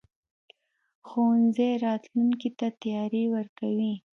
ښوونځی راتلونکي ته تیاری ورکوي.